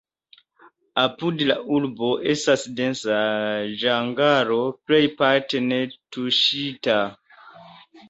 Apud la urbo estas densa ĝangalo, plejparte netuŝita.